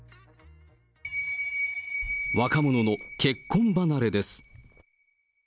若者の結婚離れです。